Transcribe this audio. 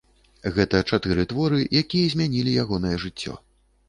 Гэта чатыры творы, якія змянілі ягонае жыццё.